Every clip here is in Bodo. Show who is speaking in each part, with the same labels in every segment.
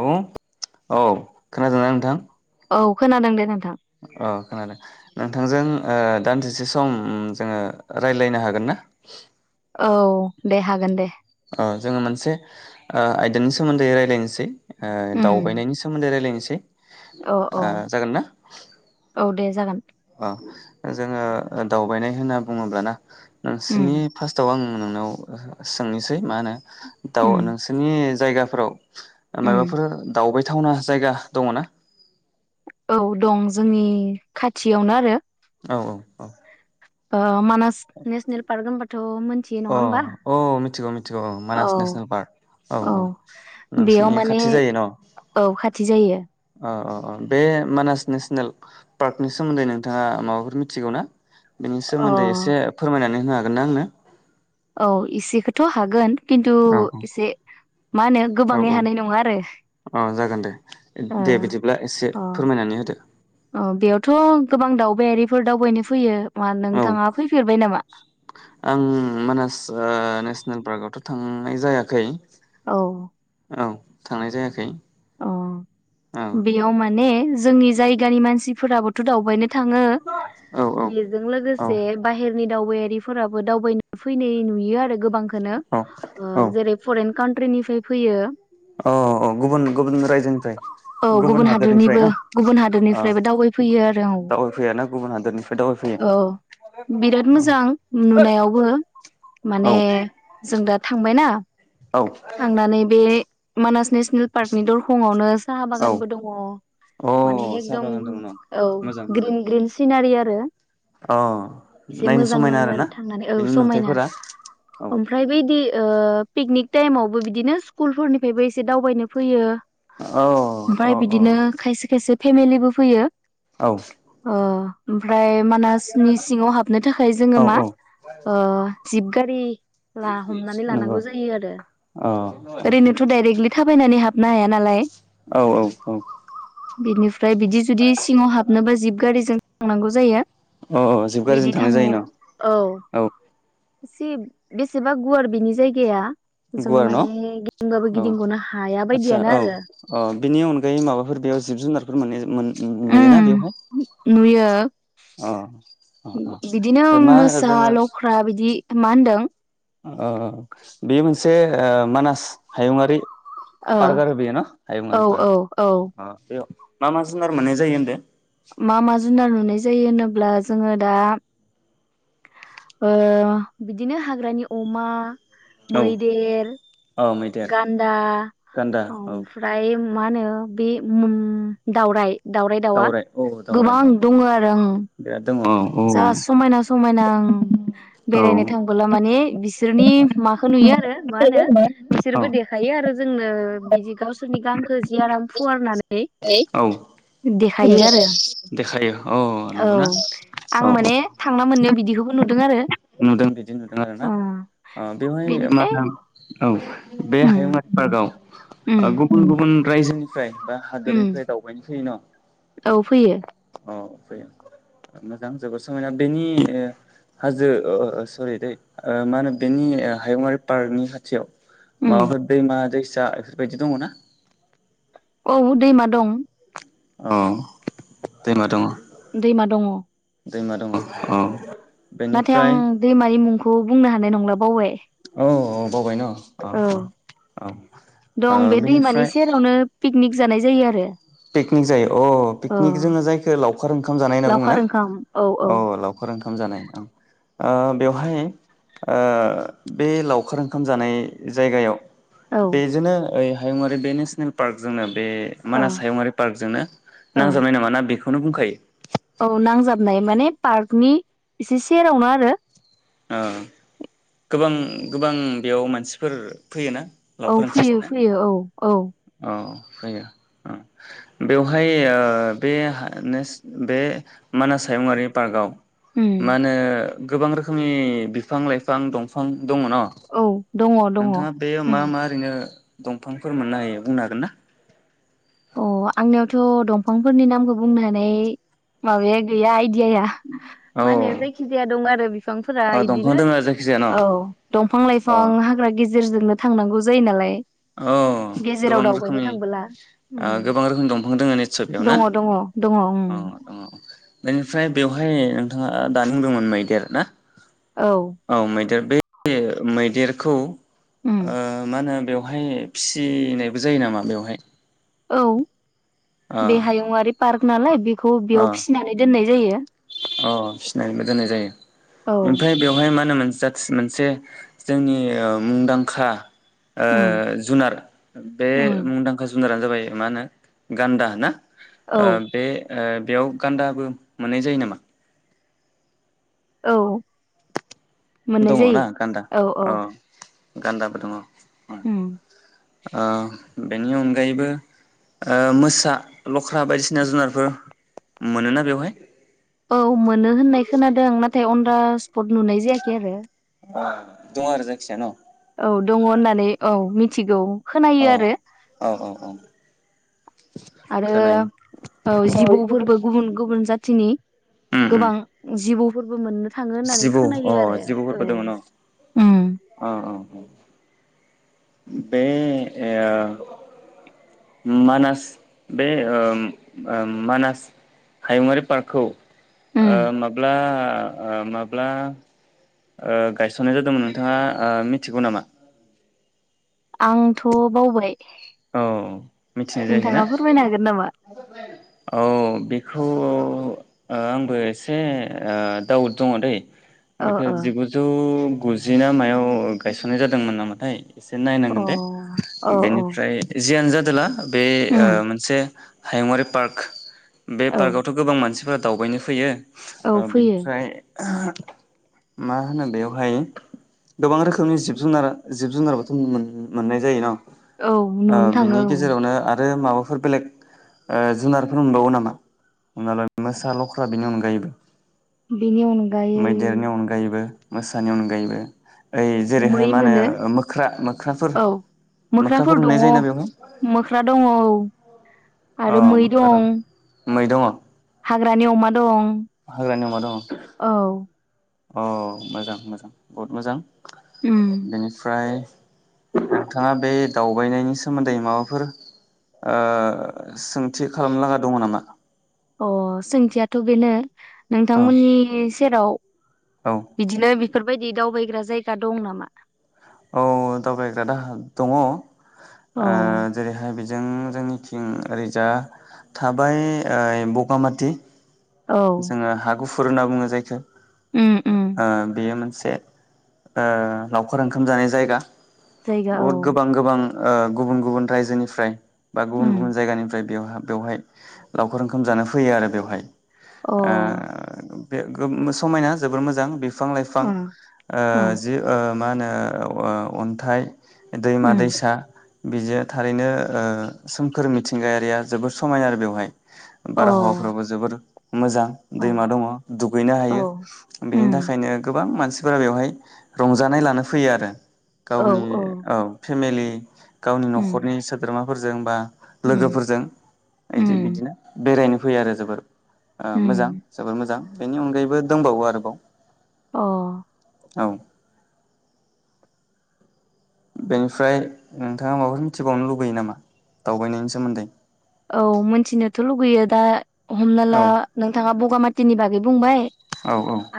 Speaker 1: औ औ खोनादोंना नोंथां?
Speaker 2: औ खोनादों दे नों
Speaker 1: अह खोनादों। नोंथांजों ओ दानदिसे सम ओम जोङो रायलायनो हागोन ना?
Speaker 2: औ दे हागोन दे।
Speaker 1: अह जोङो मोनसे ओ आयदानि सोमोन्दै रायजलायनोसै। ओ
Speaker 2: उम
Speaker 1: दावबायनायनि सोमोन्दै रायलायनोसै [inaudible]
Speaker 2: औ औ औ दे जा जागोन।
Speaker 1: अह जोङो दावबायनाय होनना बुङोबा ना
Speaker 2: उम
Speaker 1: नोंसोनि फासटाव आं आं नोंनाव सों-सोंनोसै मा होनो।
Speaker 2: उम
Speaker 1: दाउ नोंसोरनि जायगा फोराव
Speaker 2: उम
Speaker 1: माबाफोर दावउबाय थावना जायगा दङ ना?
Speaker 2: ओ दं जोंनि खाथियावनो आरो
Speaker 1: औ औ औ
Speaker 2: ओ मानास नेसनेल पार्क होनबाथ' मोनथियो नङा
Speaker 1: अह
Speaker 2: होमबा
Speaker 1: औ मिथिगौ मिथिगौ औ मानास नेसनेल पार्क औ औ
Speaker 2: बेयाव
Speaker 1: नोंसोरनि
Speaker 2: माने
Speaker 1: खाथि जायो न' औ
Speaker 2: औ खाथि जायो
Speaker 1: औ अ बे मानास नेसनेल पार्कनि सोमोन्दै नोंथाङा माबाफोर मिथिगौ ना? बिनि
Speaker 2: अ
Speaker 1: सोमोन्दै एसे फोरमायनानै होनो हागोन ना आंनो
Speaker 2: औ इसेखौथ' हागोन खिन्थु
Speaker 1: औ
Speaker 2: एसे मा होनो
Speaker 1: औ औ
Speaker 2: गोबाङै हानाय नङा आरो
Speaker 1: अ जागोन दे
Speaker 2: ओ
Speaker 1: दे बिदिब्ला एसे फोरमायनानै होदो। [inaudible]
Speaker 2: अह बेयावथ' गोबां दावबायारिफोर दावबायनो फैयो। मा
Speaker 1: औ
Speaker 2: नोंथाङा फैफेरबाय नामा?
Speaker 1: आं मानास ओ नेसनेल पार्कआवथ' थांनाय जायाखै
Speaker 2: औ
Speaker 1: औ थांनाय जायाखै औ
Speaker 2: अह बेयाव माने जोंनि जायगानि मानसिफोराबोथ' दावबायनो थाङो
Speaker 1: औ औ
Speaker 2: बेजों
Speaker 1: औ
Speaker 2: लोगोसे बाहेरनि दावबायारिफोराबो दावबाय फैनाय नुयो आरो गोबांखोनो
Speaker 1: औ
Speaker 2: ओ,
Speaker 1: औ
Speaker 2: जेरै - परेन कान फोरनिफ्राय फैयो
Speaker 1: अ औ गुबुन गुबुन रायजोनिफ्राय
Speaker 2: औ गुबुन
Speaker 1: हादोरनिफ्राय
Speaker 2: हादोरनिबो,
Speaker 1: न
Speaker 2: गुबुन
Speaker 1: अ
Speaker 2: हादोरनिफ्रायबो दावबायफैयो आरो औ,
Speaker 1: दावबायफैया ना गुबुन हादोरनिफ्राय दावबायफैयो
Speaker 2: औ बिराद
Speaker 1: औ
Speaker 2: मोजां नुनायावबो माने
Speaker 1: औ
Speaker 2: जों दा थांबायना,
Speaker 1: औ
Speaker 2: थांनानै बे मानास नेसनेल न'नि दरखंआवनो साहा बागानबो दङ
Speaker 1: औ अ
Speaker 2: माने
Speaker 1: साहा
Speaker 2: एकदम
Speaker 1: बागान दङ न'
Speaker 2: औ
Speaker 1: मोजां मोजां
Speaker 2: ग्रिन ग्रिन सिनारिया आ रो
Speaker 1: अ
Speaker 2: एसे
Speaker 1: नायनो
Speaker 2: मोजां
Speaker 1: समायना
Speaker 2: नाङो
Speaker 1: आरोना
Speaker 2: आरो थांनानै औ
Speaker 1: बेनि
Speaker 2: समायना
Speaker 1: नुथायफोरा औ
Speaker 2: ओमफ्राय बैदि ओ पिकनिक टाइमावबो बिदिनो स्कुलफोरनिफायबो एसे दावबायनो फैयो
Speaker 1: औ अ
Speaker 2: ओमफाय बिदिनो खायसे खायसे फेमिलिबो फैयो।
Speaker 1: अ औ
Speaker 2: अ ओमफ्राय मानासनि सिङाव हाबनो थाखाय
Speaker 1: औ
Speaker 2: जोङो मा
Speaker 1: औ
Speaker 2: ओ जिब गारि ला हमनानै
Speaker 1: नंगौ
Speaker 2: लानांगौ जायो आरो
Speaker 1: अ औ
Speaker 2: ओरैनोथ' डाइरेक्टलि थाब नै हाबनो हाया नालाय
Speaker 1: औ औ औ
Speaker 2: बिनिफ्राय ओमफ्राय बिदि जुदि सिङाव हाबनोबा जिब गारिजों थांनांगौ जायो।
Speaker 1: अ अ जिब गारिजों
Speaker 2: बिदि
Speaker 1: थांनाय जायो न औ
Speaker 2: जि बेसेबा गुवार बेनि जायगाया जोङो माने गिदिंबाबो गिदिंग'नो हा
Speaker 1: आतसा औ औ बिनि अनगायै माबाफोर बेयाव जिब-जुनारफोर मोन मोन नुयोना
Speaker 2: उम
Speaker 1: बेवहाय
Speaker 2: नुयो
Speaker 1: अ अ
Speaker 2: बिदिनो
Speaker 1: अ मा
Speaker 2: मोसा,
Speaker 1: जोङो
Speaker 2: लख्रा बिदि मा होनदों?
Speaker 1: ओ ओ बेयो मोनसे ओ मानास हायुंआारि
Speaker 2: ओ
Speaker 1: पार्क आरो बियो न?
Speaker 2: औ
Speaker 1: हायुंआरि पार्क
Speaker 2: औ औ
Speaker 1: ओ बेव मा मा जुनार मोननाय जायो होनदो?
Speaker 2: मा मा जुनार नुनाय जा जायो होनोब्ला जोङो दा ओ बिदिनो हाग्रानि अमा
Speaker 1: औ
Speaker 2: मैदेर,
Speaker 1: औ मैदेर
Speaker 2: गान्दा
Speaker 1: गान्दा औ
Speaker 2: ओमफ्राय मा होनो बे उम दाउराइ, दाउराइ दाउवा
Speaker 1: दावराय औ दावराय
Speaker 2: गोबां
Speaker 1: दावराय
Speaker 2: दङ आरो आं
Speaker 1: बिराद दङ औ औ
Speaker 2: जा समायना समायना आं
Speaker 1: औ
Speaker 2: बेरायनो थांबोला माने बिसोरनि माखौ नुयो आरो मा होनो
Speaker 1: औ
Speaker 2: बिसोरबो देखायो आरो जोंनो बिदि गावसोरनि गां
Speaker 1: औ
Speaker 2: देखायो आरो
Speaker 1: देखायो औ नंगौना?
Speaker 2: आं
Speaker 1: औ
Speaker 2: माने थांना मोननायाव बिदिखौबो नुदों। नों आरो
Speaker 1: नुदों बिदि नुदों आरो ना
Speaker 2: अ
Speaker 1: बेवहाय मा
Speaker 2: बेनिफ्राय
Speaker 1: होन औ बे
Speaker 2: उम
Speaker 1: हायुङारि पार्कआव
Speaker 2: उम
Speaker 1: ओ गुबुन गुबुन रायजोनि फ्राय बा
Speaker 2: उम
Speaker 1: हादोरनिफ्राय दावबायनो फैयो न'
Speaker 2: औ फैयो
Speaker 1: अ फैयो। मोजां जोबोर समायना बेनि हाजो ओ सरि दै मा होनो बेनि हायुंङारि पार्कनि खाथियाव,
Speaker 2: उम
Speaker 1: माबाफोर दैमा दैस फैसा इफोरबायदि दङ ना?
Speaker 2: औ दैमा दं।
Speaker 1: औ दैमा दङ।
Speaker 2: दैमा दङ।
Speaker 1: दैमा दङ अ।
Speaker 2: नाथाय आं दैमानि मुं बेखौ बुंनो हानाय नंला बावबाय।
Speaker 1: औ औ बावबाय ना अ
Speaker 2: औ
Speaker 1: अ औ
Speaker 2: दं
Speaker 1: ओ
Speaker 2: बे दैमानि
Speaker 1: बेनिफ्राय
Speaker 2: सेरावनो, पिकनिक जानाय जायो आरो
Speaker 1: पिकनिक जायो अ पिकनिक जोङो जायखौ लावखार ओंखाम जानाय होनना बुङो ना? औ लावखार ओंखाम जानाय। ओ बेवहाय ओ बे लावखार ओंखाम जानाय जायगायाव।
Speaker 2: औ ओ
Speaker 1: बेजोंनो ओइ हायुङारि बे नेसनेल पार्कजेनेल बे मानास, हायुंङारि पार्कजोंनो
Speaker 2: ओ
Speaker 1: नांजाबनाय नामा? ना बेखौ, बेखौनो बुंखायो।
Speaker 2: औ नांजाबनाय माने पार्कनि एसे सेरावनो आरो
Speaker 1: ओ गोबां गोबां बेयाव मानसिफोर फैयोना
Speaker 2: औ
Speaker 1: लावखार ओंखाम
Speaker 2: फैयो
Speaker 1: जानो
Speaker 2: फैयो औ औ
Speaker 1: औ फैयो अ बेवहाय ओ बे हा नेस बे मानास हायुंआरि पार्कआव मानो गोबां रो खोमनि बिफां-लाइफां दंफां दङ न
Speaker 2: औ दङ दङ
Speaker 1: नोंथाङा बेयो मा मा ओरैनो दंफांफोर मोननो हायो बुंनो हागोन ना
Speaker 2: अ आंनियावथ' दंफांफोरनि नामखौ बुंनो हानाय माबाया गैया इद दि हाया
Speaker 1: औ
Speaker 2: माने जायखि जाया दं आरो बिफांफोरा
Speaker 1: दंफां
Speaker 2: इदिनो
Speaker 1: दोङो जायखिजाया न'
Speaker 2: औ दंफां
Speaker 1: अ
Speaker 2: लाइफां हाग्रा गेजे जेरजोंनो थांनांगौ जायो नालाय
Speaker 1: औ
Speaker 2: गेजेराव
Speaker 1: गोबां
Speaker 2: दावबायनो
Speaker 1: रोखोमनि
Speaker 2: थांबोला
Speaker 1: ओ गोबां रोखोमनि दंफां दोङो नित्सय बेयाव
Speaker 2: दङ
Speaker 1: ना
Speaker 2: दङ दङ उम
Speaker 1: अ दङ बेनिफ्राय बेवहाय नोंथां आ दा बुंदोंमोन मैदेर ना
Speaker 2: औ
Speaker 1: बे ए मैदेरखौ
Speaker 2: उम
Speaker 1: ओ माहोनो बहाय फिसिनायबो जायो नामा बेवहाय
Speaker 2: औ
Speaker 1: अ
Speaker 2: बे हायुंआरि पार्क नालाय बे खौ
Speaker 1: अ
Speaker 2: बेयाव फिसिनानै दोननाय जायो
Speaker 1: अ फिसिनानैबो दोननाय जायो
Speaker 2: औ
Speaker 1: ओमफ्राय बेवहाय मा मोनसे जाथ मोनसे जोंनि ओ मुंदांखा ओ
Speaker 2: उम
Speaker 1: जुनार बे
Speaker 2: उम
Speaker 1: मुंदांखा जु जुनारानो जाबाय मा होनो गान्दा ना
Speaker 2: औ
Speaker 1: ओ बे ओ बेयाव गान्दाबो मोननाय जायो नामा
Speaker 2: औ मोननाय
Speaker 1: दङ ना गान्दा
Speaker 2: जायो औ औ
Speaker 1: अ गान्दाबो दङ ओ
Speaker 2: उम
Speaker 1: बेनि अनगायैबो ओ मोसा लख्रा बायदिसिना जुनारफोर मोनोना बेवहाय
Speaker 2: फास पट नुनाय जायाखै आरो
Speaker 1: आ दङ आरो जायखिया न'
Speaker 2: औ दङ होननानै औ मिथिगौ
Speaker 1: अ
Speaker 2: खोनायो आरो
Speaker 1: औ औ औ
Speaker 2: आरो
Speaker 1: खोनायो
Speaker 2: औ जिबौफोरबो गुबुन गुबुन जाथ थिनि
Speaker 1: उम उम
Speaker 2: गोबां जिबौ फोरबो मोननो थाङो होननानै
Speaker 1: जिबौ अ
Speaker 2: खोनायो आरो औ
Speaker 1: जिबौफोरबो दङ न
Speaker 2: ओम
Speaker 1: अ अ बे ओ मानास बे ओम ओम मानास हायुङारि पार्कखौ ओ
Speaker 2: उम
Speaker 1: माब्ला ओ माब्ला ओ गायस'ननाय जादोंमोन नोंथाङा ओ मिथिगौ नामा?
Speaker 2: आंथ' बावबाय
Speaker 1: औ मिथिनाय जायाखै ना?
Speaker 2: नोंथाङा फोरमायनो हागोन नामा
Speaker 1: औ बेखौ ओ आंबो एसे ओ दाउद दङ दै
Speaker 2: ओ
Speaker 1: बेखौ
Speaker 2: ओ
Speaker 1: जिगुजौ गुजि ना मायाव गायसननाय जादोंमोन नामाथाय एसे
Speaker 2: अ
Speaker 1: नायनांगोन दे।
Speaker 2: औ औ
Speaker 1: बेनि जियानो जादोला बे ओ
Speaker 2: उम
Speaker 1: मोनसे हायुंआरि पार्क बे
Speaker 2: औ
Speaker 1: पार्कआवथ' गोबां मानसिफोर दावबायनो फैयो
Speaker 2: औ
Speaker 1: ओ
Speaker 2: फैयो
Speaker 1: बेनिफ्राय [unintelligible] मा होनो बेवहाय गोबां रोखोमनि जिब जुनार जिब जुनार बोथ' मोन-मोननाय जायो न?
Speaker 2: औ
Speaker 1: ओ
Speaker 2: नुनो
Speaker 1: बिनि
Speaker 2: थाङो औ
Speaker 1: गेजेरावनो आ रो माबाफोर बेलेग ओ जुनारफोर मोनबावो नामा हमना ला मोसा लख्रा बेनि अनगायैबो?
Speaker 2: बेनि अनगायै
Speaker 1: मैदेरनि अनगायैबो मोसानि अनगायैबो यै जेरैहाय
Speaker 2: मै
Speaker 1: मा
Speaker 2: मोनो
Speaker 1: होनो मोख्रा मोख्राफोर
Speaker 2: औ
Speaker 1: मोख्राफोर नुनाय जायोना बेवहाय?
Speaker 2: मोख्रा दङ औ
Speaker 1: अ
Speaker 2: आरो मै
Speaker 1: मोख्रा
Speaker 2: दं
Speaker 1: मै दङ
Speaker 2: हाग्रानि अमा दं
Speaker 1: हाग्रानि अमा दङ
Speaker 2: औ
Speaker 1: औ मोजां मोजां बहुत मोजां
Speaker 2: उम
Speaker 1: बेनिफ्राय नोंथांङा बे दावबायनायनि सोमोन्दै माबाफोर ओ सोंथि खालामनो लागा दङ नामा?
Speaker 2: अ सोंथियाथ' बेनो
Speaker 1: औ
Speaker 2: नोंथांमोननि सेराव
Speaker 1: औ
Speaker 2: बिदिनो बेफोरबाय दि दावबायग्रा जायगा दं नामा?
Speaker 1: औ दावबायग्रा दाहा दङ। ओ
Speaker 2: अ
Speaker 1: जेरैहाय बि जों जोंनिथिं ओरैजा थाबाय ओ बगामाथि ।
Speaker 2: औ
Speaker 1: जोंङो हार गुफुर होनना बुंङो जायखो ।
Speaker 2: उम उम
Speaker 1: ओ बेयो मोन से ओ लावखार ओंखाम जानाय जायगा ।
Speaker 2: जायगा औ
Speaker 1: बुहुथ गोबां गोबां ओ गुबुन गुबुन रायजोनिफ्राय बा गुबुन
Speaker 2: उम
Speaker 1: गुबुन जायगानिफ्राय बेयावहा बेवहाय लावखार ओंखाम जानो फैयो आरो बेवहाय ।
Speaker 2: अ ओ
Speaker 1: ओ बे गोब समायना जोबोर मोजां बे बिफां लाइफां
Speaker 2: ओ
Speaker 1: ओ जि ओ मा होनो ओ औ अन्थाइ
Speaker 2: उम
Speaker 1: दैमा-दैसा बिजो थारैनो ओ सोमखोर मिथिंगायारिया जोबोर समायो आरो बेवहाय ।
Speaker 2: अ
Speaker 1: बारहावाफ्राबो जोबोर मोजां
Speaker 2: अ
Speaker 1: दैमा दंङ दुगैनो
Speaker 2: औ
Speaker 1: हायो बेनि
Speaker 2: उम
Speaker 1: थाखायनो गोबां मान फोरा बेवहाय रंजानाय लानो फैयो आरो गावनि औ फेमेलि [unintelligible] गावनि
Speaker 2: उम
Speaker 1: न'खरनि सोद्रोमा फोरजों बा
Speaker 2: उम
Speaker 1: लोगोफोरजों इदि
Speaker 2: उम
Speaker 1: बिदिनो बेरायनो फैयो आरो जोबोर ओ मोजां
Speaker 2: उम
Speaker 1: जोबोर मोजां। बेनि अनगायैबो दंबावो आरोबाव।
Speaker 2: अ
Speaker 1: औ बेनिफ्राय नोंथाङा माबा मिथिबावनो लुबैयो नामा दावबायनायनि सोमोन्दै?
Speaker 2: औ मोनथिनोथ' लुगैयो दा
Speaker 1: औ
Speaker 2: हमनाला नोंथाङा बगा मात तिनि बागै बुंबाय
Speaker 1: औ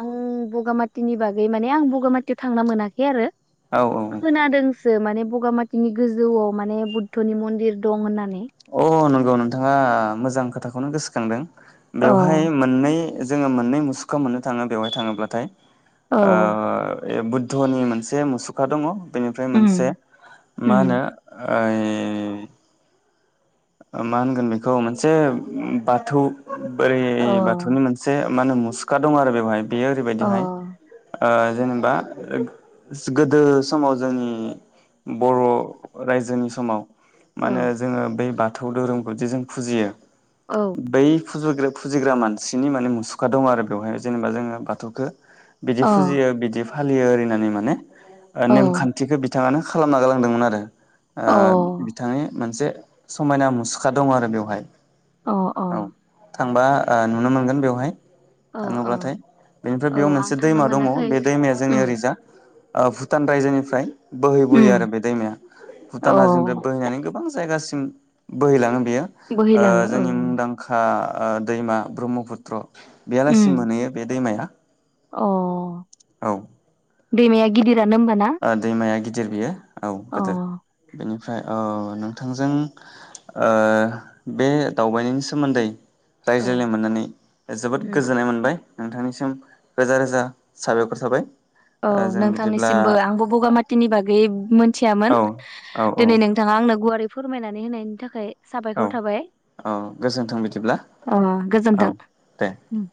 Speaker 2: आं बु बगामातिनि बागै माने आं बगामातियाव थांनो मोनाखै आरो।
Speaker 1: औ औ औ
Speaker 2: जो माने बगामातिनि गोजौआव माने बुद्धनि मन्दिर दं होननानै
Speaker 1: अ नं गौ नोंथाङा मोजां खोथाखौनो गोसो खांदों।
Speaker 2: अ
Speaker 1: बेवहाय मोननै जोङो मोननै मुसुखा मोननो थाङो बेवहाय थाङोब्लाथाय। ओ।
Speaker 2: औ
Speaker 1: ऐ बुद्धनि मोनसे मुसुखा दङ बेनिफ्राय मोनसे
Speaker 2: उम
Speaker 1: मा होनो
Speaker 2: उम
Speaker 1: ऐ मा होनगोन बेखौ मोनसे उम बाथौ। बोरै
Speaker 2: अ
Speaker 1: बाथौनि मोनसे मा होनोम सिखा दं आरो बेवहाय। बेयो
Speaker 2: अ
Speaker 1: ओरैबायदिहाय ओ जेनेबा गोदो समाव जोंनि बर' रायजोनि समाव
Speaker 2: औ
Speaker 1: मानो जोङो बै बाथौ धोरोमखौजि जों फुजियो।
Speaker 2: औ
Speaker 1: बै फुजुरग्रेब फुजिग्रा मानसिनि माने मुसुखा दं आरो बेवहाय जेनेबा जोङो बाथौखो बिदि
Speaker 2: अ
Speaker 1: फुजियो बिदि फालियो ओरिनानै माने
Speaker 2: औ अ
Speaker 1: नेमखान्थिखो बि बिथाङानो खालामना गालांदोंमोन आरो। ओ बिथांनि मोनसे [inaudible] समायना मुसुखा दं आरो बेवहाय।
Speaker 2: अ अ
Speaker 1: औ थांबा आ नुनो मोनगोन बेवहाय।
Speaker 2: अ
Speaker 1: थाङोब्लाथाय बेनिफ्राय
Speaker 2: औ
Speaker 1: बेयाव
Speaker 2: आं
Speaker 1: मोनसे
Speaker 2: थांनो
Speaker 1: दैमा दङ
Speaker 2: मोनाखै
Speaker 1: बे दैमाया जोंनि
Speaker 2: उम
Speaker 1: ओरैजा ओ भुटान रायजोनिफ्राय बोहैबुयो
Speaker 2: उम
Speaker 1: आरो बे दैमाया
Speaker 2: अ
Speaker 1: भुटान हाजोनिफ्राय बोहैनानै गोबां जायगासि [unintelligible] बोहैलाङो बेयो ओ
Speaker 2: बोहैलाङो औ
Speaker 1: जोंनि मुंदांखा आ‌ दैमा ब्रह्मपुत्र
Speaker 2: उम
Speaker 1: बेयालासिम मोनहैयो बे दैमाया।
Speaker 2: अ
Speaker 1: औ
Speaker 2: दैमाया गिदिद
Speaker 1: ओ दैमाया गिदिर बेयो औ
Speaker 2: अ
Speaker 1: गोदोर बेनि ओमफ्राय औ नोंथांजों ओ बे दावबायनायनि सोमोन्दै
Speaker 2: औ
Speaker 1: रायज्लायनो मोननानै जोबोद
Speaker 2: उम
Speaker 1: गोजोननाय मोनबाय। नोंथांनिसिम रोजा रोजा साबायखर थाबाय।
Speaker 2: औ
Speaker 1: ओ जों बिदिब्ला
Speaker 2: नोंथांनिसिमबो आंबो बगामातिनि बागै मिथियामोन
Speaker 1: औ औ
Speaker 2: दिनै नोंथाङा आंनो गुवारै फोरमायनानै होनायनि थाखाय
Speaker 1: औ
Speaker 2: साबायखर थाबाय
Speaker 1: औ गोजोन्थों बिदिब्ला
Speaker 2: ओ
Speaker 1: औ
Speaker 2: गोजोन्थों
Speaker 1: दे
Speaker 2: उम